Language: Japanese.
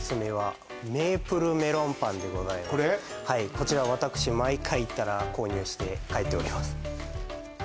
はいこちら私毎回行ったら購入して帰っております